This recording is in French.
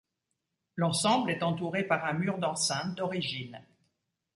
L'ensemble est entouré par un mur d'enceinte d'origine.